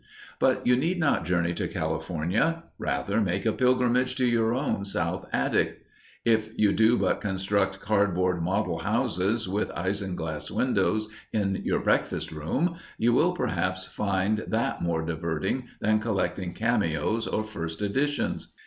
But you need not journey to California. Rather make a pilgrimage to your own south attic. If you do but construct cardboard model houses with isinglass windows in your breakfast room, you will perhaps find that more diverting than collecting cameos or first editions.